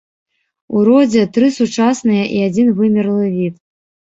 У родзе тры сучасныя і адзін вымерлы від.